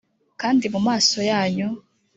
kandi mu maso yanyu